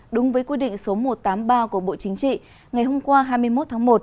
đúng với quy định số một trăm tám mươi ba của bộ chính trị ngày hôm qua hai mươi một tháng một